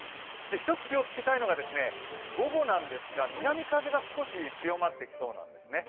１つ気をつけたいのが午後なんですが、南風が少し強まってきそうなんですね。